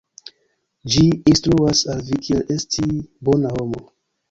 Ĝi instruas al vi kiel esti bona homo.